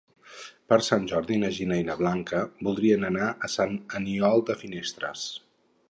Per Sant Jordi na Gina i na Blanca voldrien anar a Sant Aniol de Finestres.